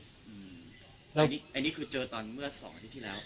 อันของนี่คือเจอวันเมื่อสองอาทิตย์ที่แล้ว